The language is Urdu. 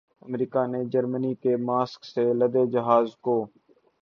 امریکا نے جرمنی کے ماسک سے لدے جہاز کو